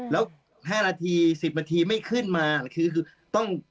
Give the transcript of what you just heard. แล้ว๕นาที๑๐นาทีไม่ขึ้นมาคือต้อง